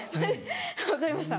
分かりました。